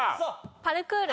パルクール。